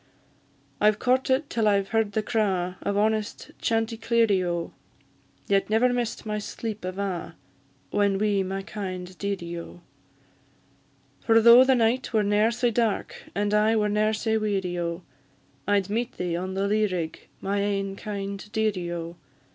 I've courted till I've heard the craw Of honest chanticleerie, O! Yet never miss'd my sleep ava, Whan wi' my kind dearie, O! For though the night were ne'er sae dark, And I were ne'er sae weary, O! I'd meet thee on the lea rig, My ain kind dearie, O!